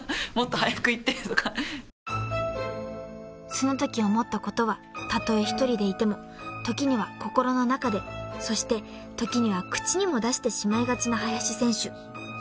［そのとき思ったことはたとえ１人でいても時には心の中でそして時には口にも出してしまいがちな林選手］